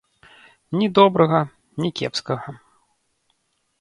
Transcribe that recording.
Ні добрага, ні кепскага.